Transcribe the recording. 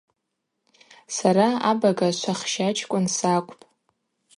Сара абага - швахща чкӏвын сакӏвпӏ.